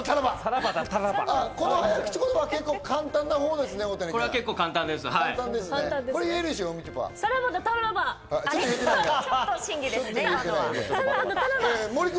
この早口言葉、結構簡単なほうですね、大谷君。